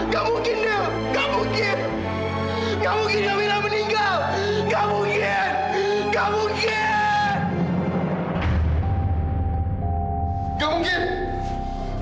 gafsah mempunyai mana